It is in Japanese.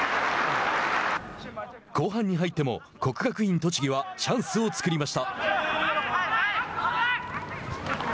後半に入っても国学院栃木はチャンスを作りました。